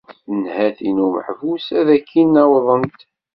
Nnhati n umeḥbus ad ak-in-awḍent.